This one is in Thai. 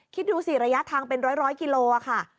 คิดดูสิระยะทางเป็นร้อยกิโลค่ะ